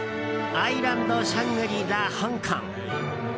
アイランドシャングリ・ラ香港。